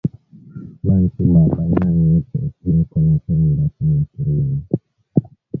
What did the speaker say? Bantu ba aina yote beko na penda sana kurima